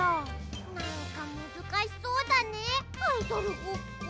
なんかむずかしそうだねアイドルごっこ。